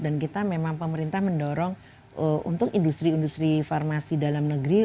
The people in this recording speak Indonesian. dan kita memang pemerintah mendorong untuk industri industri farmasi dalam negeri